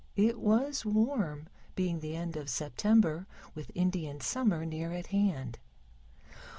It was warm, being the end of September, with Indian Summer near at hand.